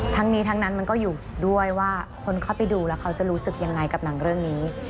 ทั้งนี้ทั้งนั้นมันก็อยู่ด้วยว่าคนเข้าไปดูแล้วเขาจะรู้สึกยังไงกับหนังเรื่องนี้